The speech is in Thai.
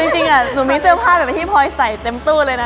จริงอะหนูมีเสื้อผ้าแบบที่พอยใส่เต็มตู้เลยนะ